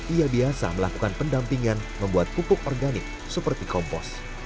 ia biasa melakukan pendampingan membuat pupuk organik seperti kompos